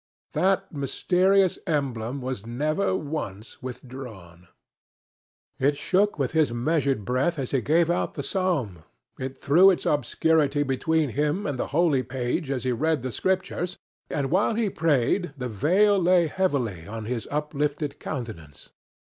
That mysterious emblem was never once withdrawn. It shook with his measured breath as he gave out the psalm, it threw its obscurity between him and the holy page as he read the Scriptures, and while he prayed the veil lay heavily on his uplifted countenance.